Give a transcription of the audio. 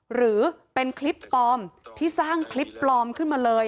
หรือเป็นคลิปปลอมที่สร้างคลิปปลอมขึ้นมาเลย